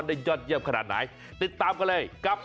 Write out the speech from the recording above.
ยอดเยี่ยมขนาดไหนติดตามกันเลยกับ